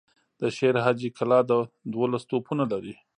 د شير حاجي کلا دولس توپونه لري.